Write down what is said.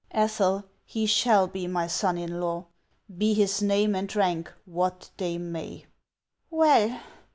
'• Ethel, he shall be my son in law, be his name and rank what they may." "Well!"